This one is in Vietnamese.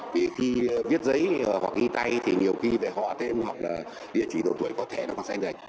vì khi viết giấy hoặc ghi tay thì nhiều khi về họa thêm hoặc là địa chỉ độ tuổi có thể nó còn sai dạy